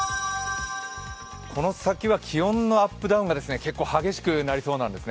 この先は気温のアップダウンが結構激しくなりそうです。